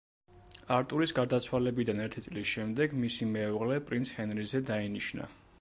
არტურის გარდაცვალებიდან ერთი წლის შემდეგ მისი მეუღლე პრინც ჰენრიზე დაინიშნა.